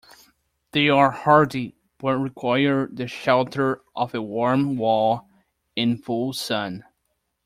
They are hardy but require the shelter of a warm wall in full sun.